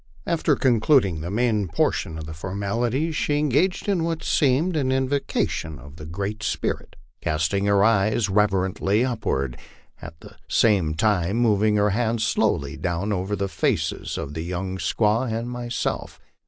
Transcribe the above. After concluding the main por tion of the formalities, she engaged in what seemed an invocation of the Great Spirit, casting her eyes reverently upward, at the same time moving her hands slowly down over the faces of the young squaw and myself.